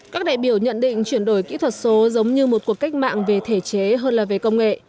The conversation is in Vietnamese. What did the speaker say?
các đại biểu nhận định chuyển đổi kỹ thuật số giống như một cuộc cách mạng về thể chế hơn là về công nghệ